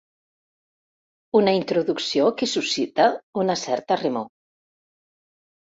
Una introducció que suscita una certa remor.